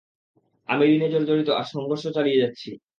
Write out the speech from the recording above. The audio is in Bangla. আমি ঋণে-জর্জরিত আর সংঘর্ষ চালিয়ে যাচ্ছি।